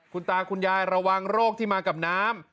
คุณตาคุณยายระวังโรคที่มากับน้ำ